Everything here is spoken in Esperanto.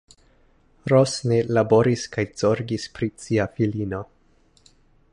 Ros ne laboris kaj zorgis pri sia filino.